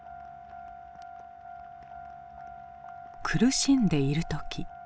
苦しんでいる時